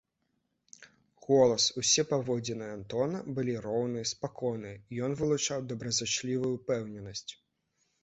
Голас, усе паводзіны Антона былі роўныя, спакойныя, ён вылучаў добразычлівую ўпэўненасць.